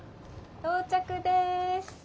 到着です。